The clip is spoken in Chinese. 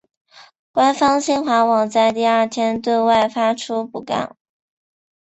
官方新华网在第二天对外发出讣告。